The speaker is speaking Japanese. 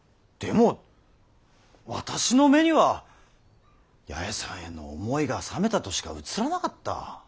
でも私の目には八重さんへの思いが冷めたとしか映らなかった。